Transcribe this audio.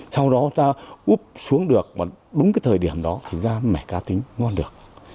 sau đó ta úp xuống được và đúng cái thời điểm đó thì ra mẻ cá thính ngon được